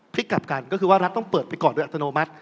พลิกกลับกันก็คือว่ารัฐต้องเปิดไปก่อนโดยอัตโนมัติ